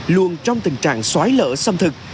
luôn trong tình trạng xoáy lỡ xâm thực